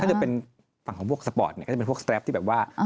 ถ้าจะเป็นฝั่งของพวกสปอร์ตเนี่ยก็จะเป็นพวกสแรปที่แบบว่า